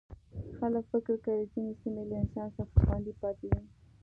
خلک فکر کوي ځینې سیمې له انسان څخه خوندي پاتې دي.